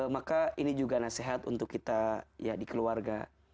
maka ini juga nasihat untuk kita dikeluarga